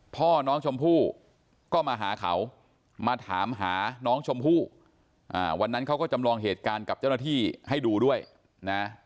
พ่อน้องชมพู่ก็มาหาเขามาถามหาน้องชมพู่วันนั้นเขาก็จำลองเหตุการณ์กับเจ้าหน้าที่ให้ดูด้วยนะ